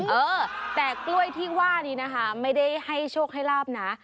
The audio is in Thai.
เออแต่กล้วยที่ว่านี้นะคะไม่ได้ให้โชคให้ลาบนะ